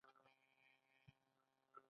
سره لوبیا ډیره خوړل کیږي.